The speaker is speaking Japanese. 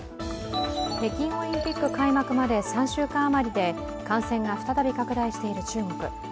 北京オリンピック開幕まで３週間余りで感染が再び拡大している中国。